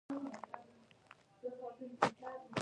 او له دې سره د نننۍ لوبې غوره لوبغاړی ونومول شو.